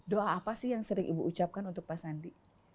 doa apa sih yang sering ibu ucapkan untuk pak sandi